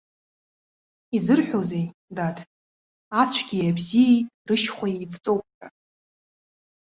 Изырҳәозеи, дад, ацәгьеи абзиеи рышьхәа еивҵоуп ҳәа?